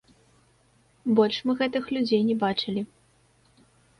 Больш мы гэтых людзей не бачылі.